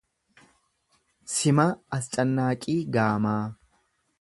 Simaa Ascannaaqii Gaamaa